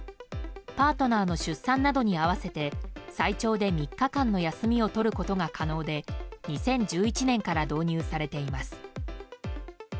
パートナーの出産などに合わせて最長で３日間の休みを取ることが可能で２０１１年から導入されています。